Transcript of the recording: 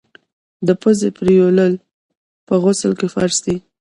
د پزي پرېولل په غسل کي فرض دي.